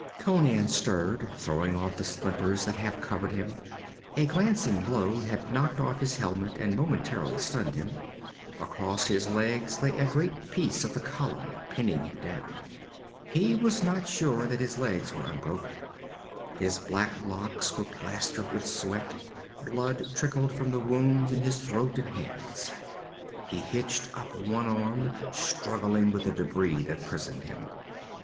Conan stirred, throwing off the splinters that half covered him. A glancing blow had knocked off his helmet and momentarily stunned him. Across his legs lay a great piece of the column, pinning him down. He was not sure that his legs were unbroken. His black locks were plastered with sweat; blood trickled from the wounds in his throat and hands. He hitched up on one arm, struggling with the debris that prisoned him.